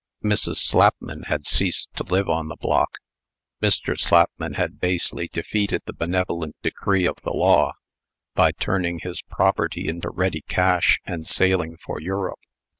Mrs. Slapman had ceased to live on the block. Mr. Slapman had basely defeated the beneficent decree of the law, by turning his property into ready cash, and sailing for Europe.